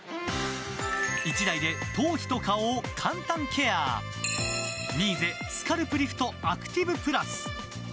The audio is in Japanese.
１台で頭皮と顔を簡単ケアミーゼスカルプリフトアクティブプラス。